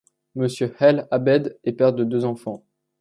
Monsieur El Abed est père de deux enfants.